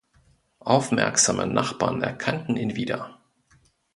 Aufmerksame Nachbarn erkannten ihn wieder.